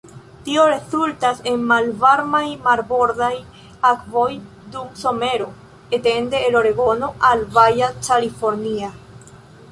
Tio rezultas en malvarmaj marbordaj akvoj dum somero, etende el Oregono al Baja California.